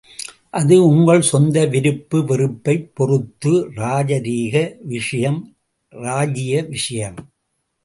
அது உங்கள் சொந்த விருப்பு வெறுப்பைப் பொறுத்த ராஜரீக விஷயம் ராஜீய விஷயம்!